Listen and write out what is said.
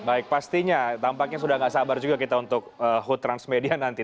baik pastinya tampaknya sudah tidak sabar juga kita untuk hood transmedia nanti